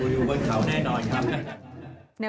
อยู่บนเขาแน่นอนครับ